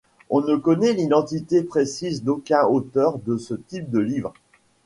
On ne connaît l'identité précise d'aucun auteur de ce type de livres.